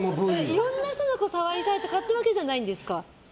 いろんな人の触りたいとかってわけじゃないんですか。